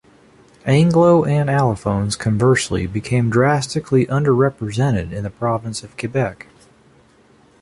Anglo and Allophones, conversely, became drastically under-represented in the province of Quebec.